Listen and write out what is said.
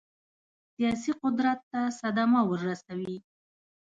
سیاسي قدرت ته صدمه ورسوي.